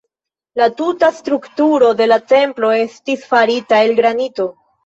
La tuta strukturo de la templo estis farita el granito.